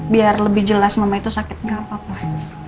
biar lebih jelas mama itu sakitnya apa pak